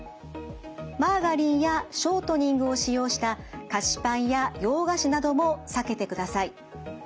マーガリンやショートニングを使用した菓子パンや洋菓子なども避けてください。